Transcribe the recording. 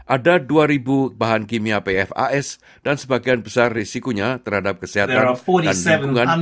ada dua bahan kimia pfas dan sebagian besar risikonya terhadap kesehatan dan lingkungan